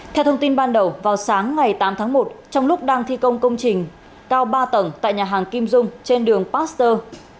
theo thông tin ban đầu vào sáng ngày tám tháng một trong lúc đang thi công công trình cao ba tầng tại nhà hàng kim dung trên đường pasteur